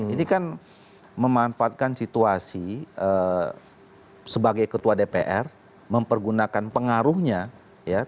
ini kan memanfaatkan situasi sebagai ketua dpr mempergunakan pengaruhnya ya